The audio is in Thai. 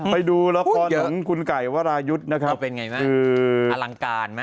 ไปดูละครหนุ่มคุณไก่วรายุทธ์นะครับเป็นไงมั้ยอลังการมั้ย